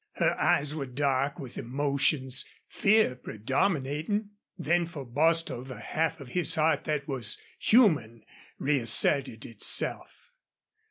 Her eyes were dark with emotions, fear predominating. Then for Bostil the half of his heart that was human reasserted itself.